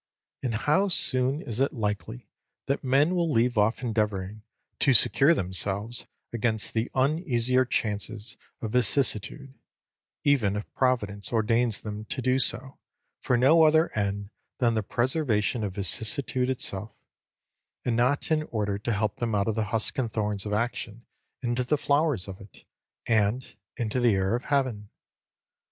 And how soon is it likely that men will leave off endeavouring to secure themselves against the uneasier chances of vicissitude, even if Providence ordains them to do so for no other end than the preservation of vicissitude itself, and not in order to help them out of the husks and thorns of action into the flowers of it, and into the air of heaven?